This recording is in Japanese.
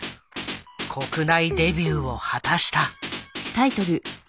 国内デビューを果たした。